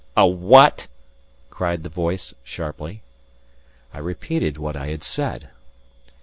"A what?" cried the voice, sharply. I repeated what I had said.